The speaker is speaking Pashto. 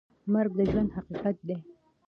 مرګ د ژوند حقیقت دی؟